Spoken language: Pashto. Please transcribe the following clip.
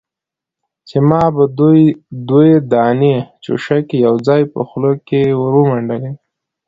چې ما به دوې دانې چوشکې يوځايي په خوله کښې ورمنډلې.